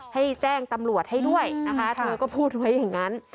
ให้แจ้งตำรวจให้ด้วยนะคะเธอก็พูดไว้อย่างนั้น